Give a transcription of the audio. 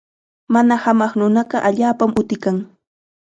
Mana hamaq nunaqa allaapam utikan.